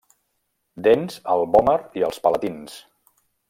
Dents al vòmer i als palatins.